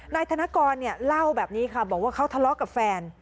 นายธนกรเล่าแบบนี้ค่ะบอกว่าเขาทะเลาะกับแฟน